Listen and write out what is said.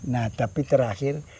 nah tapi terakhir